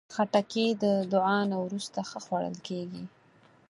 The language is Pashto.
خټکی د دعا نه وروسته ښه خوړل کېږي.